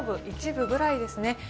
一部ぐらいですね